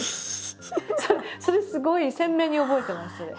それすごい鮮明に覚えてますそれ。